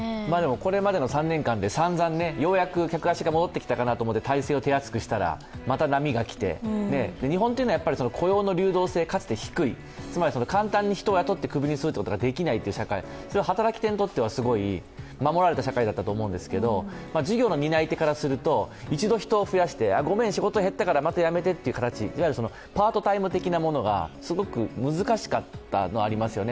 これまでの３年間で散々、ようやく客足が戻ってきたかなと思って体制を手厚くしたら、また波がきて日本というのは雇用の流動性かつて低いつまり簡単に人を雇ってクビにするということができない社会、それは働き手にとってはすごい守られた社会だったんですけど事業の担い手からすると一度、人を増やしてごめん、仕事が減ったからまた辞めてという、いわゆるパートタイム的なものが、すごく難しかったのはありますよね。